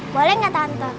boleh nggak tante